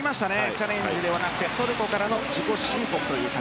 チャレンジではなくトルコからの自己申告という形。